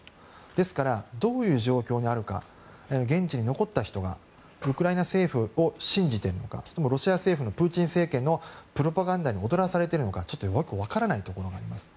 ですから、どういう状況にあるか現地に残った人はウクライナ政府を信じているのかロシア政府のプーチン政権のプロパガンダに踊らされているのかちょっとよく分からないところがあります。